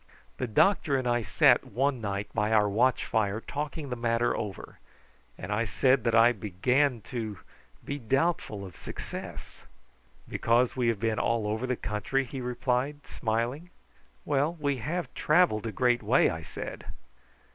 The doctor and I sat one night by our watch fire talking the matter over, and I said that I began to be doubtful of success. "Because we have been all over the country?" he replied, smiling. "Well, we have travelled a great way," I said.